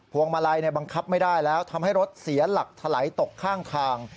วงมาลัยบังคับไม่ได้แล้วทำให้รถเสียหลักถลายตกข้างทาง